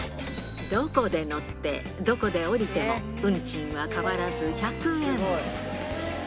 どこで乗って、どこで降りても運賃は変わらず１００円。